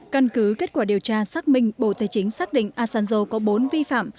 căn cứ kết quả điều tra xác minh bộ tài chính xác định asanjo có bốn vi phạm